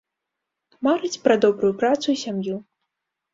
Марыць пра добрую працу і сям'ю.